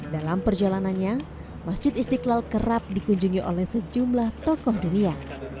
dalam perjalanannya masjid istiqlal kerap dikunjungi oleh sejumlah tokoh dunia